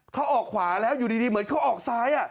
เขาออกขวาแล้วอยู่ดีเหมือนเขาออกซ้าย